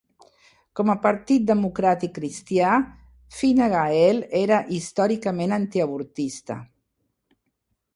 Com a partit democràtic cristià, Fine Gael era històricament antiavortista.